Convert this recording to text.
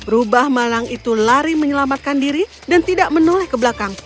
rubah malang itu lari menyelamatkan diri dan tidak menoleh ke belakang